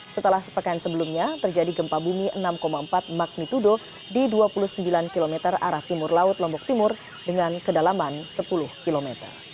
setelah sepekan sebelumnya terjadi gempa bumi enam empat magnitudo di dua puluh sembilan km arah timur laut lombok timur dengan kedalaman sepuluh km